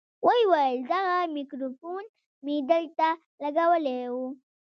ويې ويل دغه ميکروفون مې دلته لګولى و.